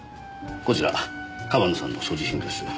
こちら川野さんの所持品です。